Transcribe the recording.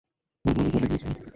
আমি তোমাকে ফেলে গিয়েছিলাম।